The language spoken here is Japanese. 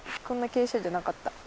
こんな傾斜じゃなかった。